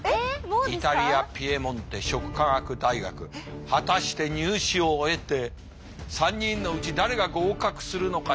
イタリアピエモンテ食科学大学果たして入試を終えて３人のうち誰が合格するのかしないのか。